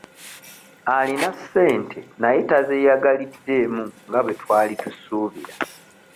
Alina ssente naye tazeeyagaliddeemu nga bwe twali tusuubira.